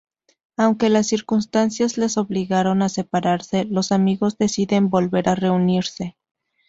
Aunque las circunstancias les obligaron a separarse, los amigos deciden volver a reunirse.